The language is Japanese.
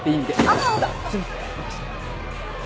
あっすいません。